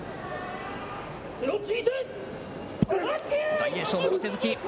大栄翔、もろ手突き。